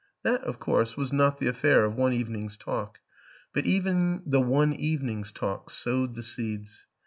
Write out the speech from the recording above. That, of course, was not the affair of one evening's talk; but even the one evening's talk sowed the seeds.